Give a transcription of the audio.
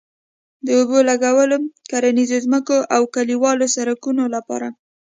د اوبه لګولو، کرنيزو ځمکو او کلیوالو سړکونو لپاره